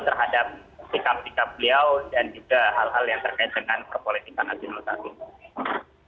terhadap sikap sikap beliau dan juga hal hal yang terkait dengan kepolitikan administrasi